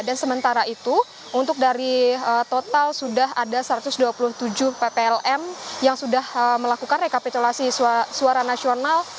dan sementara itu untuk dari total sudah ada satu ratus dua puluh tujuh pplm yang sudah melakukan rekapitulasi suara nasional